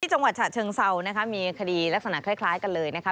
จังหวัดฉะเชิงเซานะคะมีคดีลักษณะคล้ายกันเลยนะคะ